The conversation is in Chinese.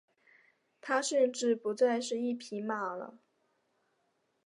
他甚至不再是一匹马了。